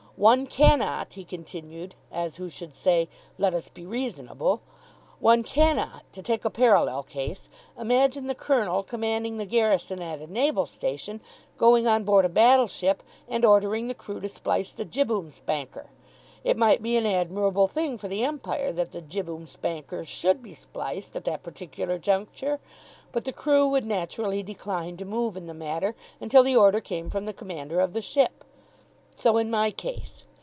One cannot," he continued, as who should say, "Let us be reasonable," "one cannot, to take a parallel case, imagine the colonel commanding the garrison at a naval station going on board a battleship and ordering the crew to splice the jibboom spanker. It might be an admirable thing for the Empire that the jibboom spanker should be spliced at that particular juncture, but the crew would naturally decline to move in the matter until the order came from the commander of the ship. So in my case.